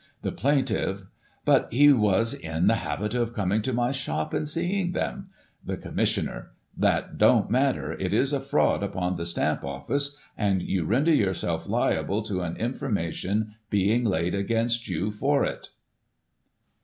The plaintiff: But he was in the habit of coming to my shop, and seeing them. The Com missioner : That don't matter ; it is a fraud upon the Stamp Office, and you render yourself liable to an information being laid against you for it.